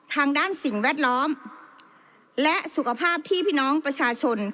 ทางด้านสิ่งแวดล้อมและสุขภาพที่พี่น้องประชาชน